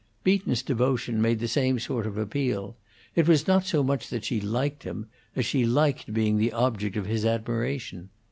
Beaton's devotion made the same sort of appeal; it was not so much that she liked him as she liked being the object of his admiration.